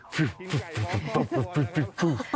ฟื้อฟื้อฟื้อฟื้อฟื้อ